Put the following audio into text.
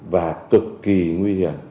và cực kỳ nguy hiểm